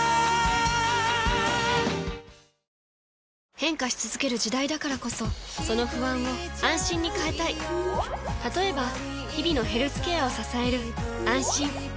変化し続ける時代だからこそその不安を「あんしん」に変えたい例えば日々のヘルスケアを支える「あんしん」